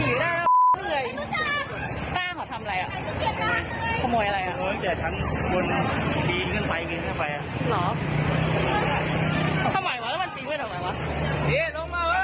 ไม่เห็นแล้วมันปีนทำไมวะ